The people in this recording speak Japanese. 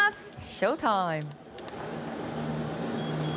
ショータイム！